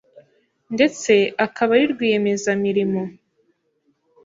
ndetse akaba ari rwiyemezamirimo.